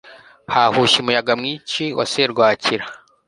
hahushye umuyaga mwinshi wa serwakira